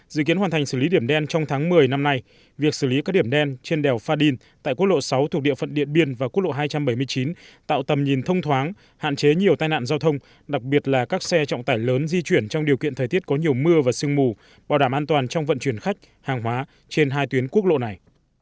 dự kiến hoàn thành xử lý điểm đen trong tháng một mươi năm nay việc xử lý các điểm đen trên đèo pha đin tại quốc lộ sáu thuộc địa phận điện biên và quốc lộ hai trăm bảy mươi chín tạo tầm nhìn thông thoáng hạn chế nhiều tai nạn giao thông đặc biệt là các xe trọng tải lớn di chuyển trong điều kiện thời tiết có nhiều mưa và sương mù bảo đảm an toàn trong vận chuyển khách hàng hóa trên hai tuyến quốc lộ này